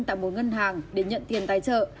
tại một ngân hàng để nhận tiền tài trợ